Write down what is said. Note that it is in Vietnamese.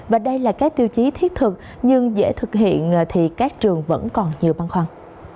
và đây là các tiêu chí thiết thực nhưng dễ thực hiện thì các trường vẫn còn nhiều băng khoăn